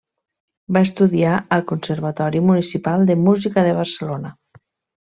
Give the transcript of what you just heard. Va estudiar al Conservatori Municipal de Música de Barcelona.